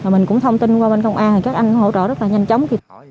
mình cũng thông tin qua bên công an các anh hỗ trợ rất là nhanh chóng